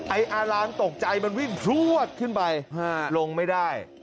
ไอ้อารามตกใจมันวิ่งพลวดขึ้นไปลงไม่ได้